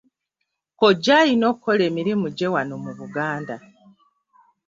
Kojja alina okukola emirimu gye wano mu Buganda.